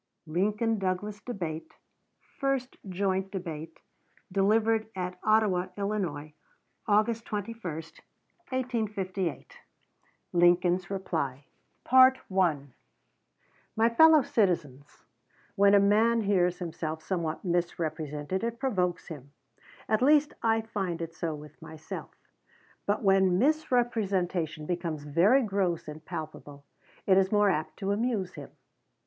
LINCOLN DOUGLAS DEBATE FIRST JOINT DEBATE, DELIVERED AT OTTAWA, ILL., AUGUST 21, 1858 Lincoln's Reply MY FELLOW CITIZENS: When a man hears himself somewhat misrepresented, it provokes him, at least I find it so with myself; but when misrepresentation becomes very gross and palpable it is more apt to amuse him.